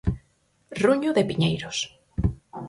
"Ruño de piñeiros".